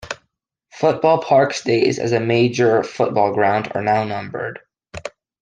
Football Park's days as a major football ground are now numbered.